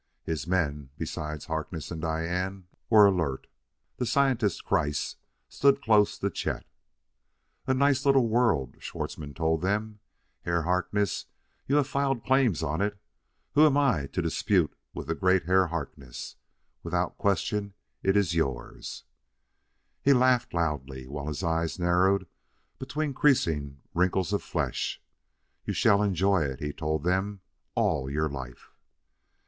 His men, beside Harkness and Diane, were alert; the scientist, Kreiss, stood close to Chet. "A nice little world," Schwartzmann told them. "Herr Harkness, you have filed claims on it; who am I to dispute with the great Herr Harkness? Without question it iss yours!" He laughed loudly, while his eyes narrowed between creasing wrinkles of flesh. "You shall enjoy it," he told them; " all your life."